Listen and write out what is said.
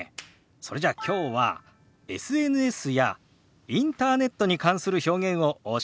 それじゃあきょうはＳＮＳやインターネットに関する表現をお教えしましょう。